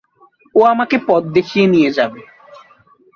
ও আমাকে পথ দেখিয়ে নিয়ে যাবে।